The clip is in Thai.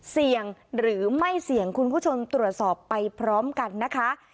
เสี่ยงหรือไม่เสี่ยงคุณผู้ชมตรวจสอบไปพร้อมกันนะคะ